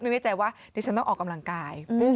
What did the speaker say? นึกได้ใจว่านี่ฉันต้องออกกำลังกาย